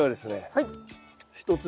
はい。